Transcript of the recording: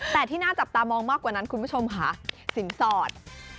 แต่ที่น่าจับตามองมากกว่านั้นคุณผู้ชมค่ะสินสอด